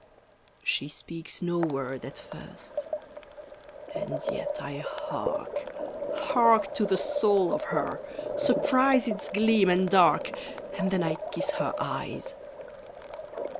She speaks no word at first and yet I hark, Hark to the soul of her, surprise Its gleam and dark, And then I kiss her eyes.